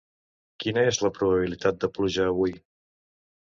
Quina és la probabilitat de pluja avui?